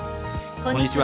こんにちは。